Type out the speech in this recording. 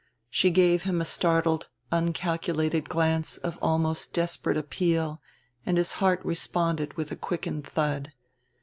She gave him a startled uncalculated glance of almost desperate appeal and his heart responded with a quickened thud.